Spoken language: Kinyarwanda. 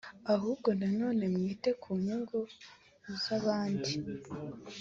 ahubwo nanone mwite ku nyungu z abandi